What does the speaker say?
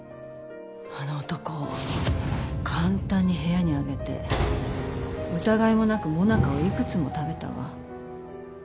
あの男簡単に部屋にあげて疑いもなくモナカを幾つも食べたわ。